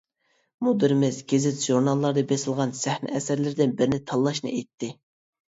مۇدىرىمىز گېزىت-ژۇرناللاردا بېسىلغان سەھنە ئەسەرلىرىدىن بىرىنى تاللاشنى ئېيتتى.